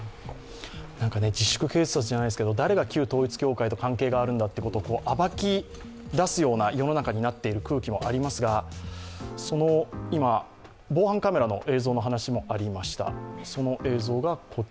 自粛警察じゃないですけど、誰が旧統一教会と関係があるんだと暴き出すような世の中になっている空気もありますが、今、防犯カメラの映像の話もありました。